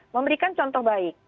memberikan contoh baik